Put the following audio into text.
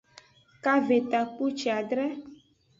Kave takpuciadre.